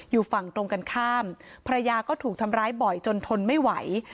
อยู่ฝั่งตรงกันข้ามภรรยาก็ถูกทำร้ายบ่อยจนทนไม่ไหว